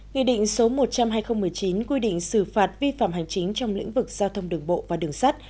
nghị định số một trăm hai mươi chín quy định xử phạt vi phạm hành chính trong lĩnh vực giao thông đường bộ và đường sắt